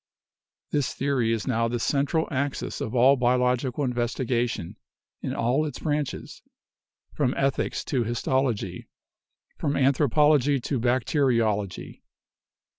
This theory is now the central axis of all biological investigation in all its branches, from ethics to histology, from anthropology to bacteriology.